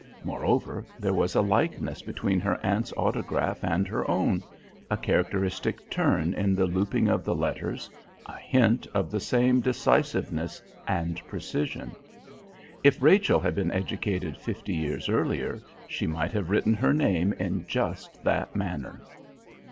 Moreover there was a likeness between her aunt's autograph and her own, a characteristic turn in the looping of the letters, a hint of the same decisiveness and precision. If Rachel had been educated fifty years earlier, she might have written her name in just that manner.